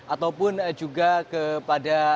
ataupun juga kepada